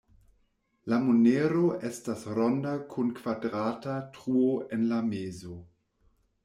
La monero estas ronda kun kvadrata truo en la mezo.